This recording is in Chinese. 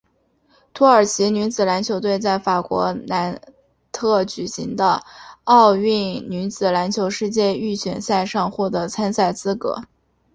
土耳其女子篮球队在法国南特举办的奥运女子篮球世界预选赛上获得参赛资格。